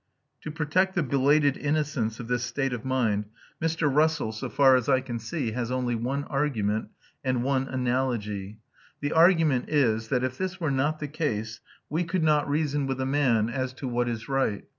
To protect the belated innocence of this state of mind, Mr. Russell, so far as I can see, has only one argument, and one analogy. The argument is that "if this were not the case, we could not reason with a man as to what is right."